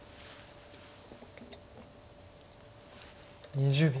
２０秒。